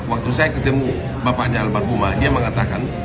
waktu saya ketemu bapaknya almarhumah dia mengatakan